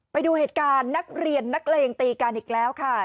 ไปดูเหตุการณ์นักเรียนนักเลงตีกันอีกแล้วค่ะ